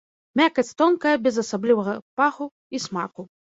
Мякаць тонкая, без асаблівага паху і смаку.